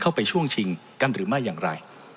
ช่วงชิงกันหรือไม่อย่างไร